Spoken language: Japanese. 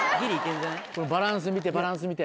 バランス見てバランス見て。